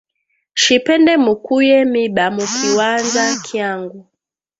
Shipende mukuye miba mu kiwanza kyangu